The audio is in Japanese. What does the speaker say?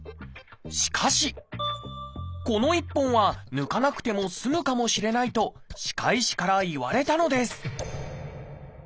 しかしこの１本は抜かなくても済むかもしれないと歯科医師から言われたのです